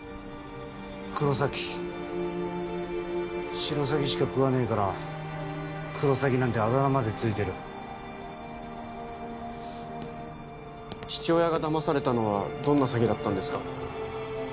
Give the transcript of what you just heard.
黒崎シロサギしか喰わねえからクロサギなんてあだ名までついてる父親がだまされたのはどんな詐欺だったんですか？